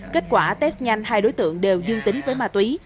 kết quả test nhanh hai đối tượng đều dương tính với ma túy